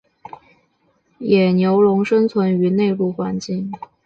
野牛龙生存于内陆环境。